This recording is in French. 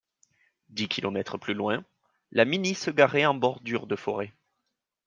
Dix kilomètres plus loin, la Mini se garait en bordure de forêt.